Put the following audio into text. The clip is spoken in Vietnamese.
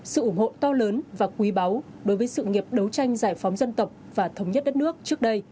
sự ủng hộ to lớn và quý báu đối với sự nghiệp đấu tranh giải phóng dân tộc và thống nhất đất nước trước đây